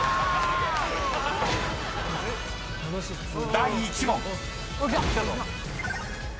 ［第１問］